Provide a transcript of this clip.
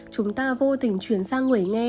chúng ta vô tình chuyển sang người nghe